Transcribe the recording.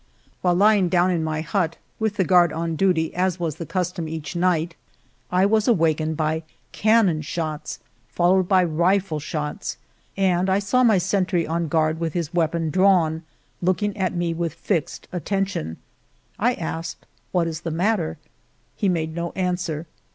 While Iv ing down in my hut with the guard on duty, as was the custom each night, I was awakened by cannon shots, followed by rifle shots, and I saw my sentry on guard with his weapon drawn, looking at me with fixed attention. I asked, " What is the matter?" He made no answer.